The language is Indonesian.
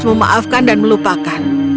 memaafkan dan melupakan